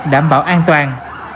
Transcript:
đảm bảo an toàn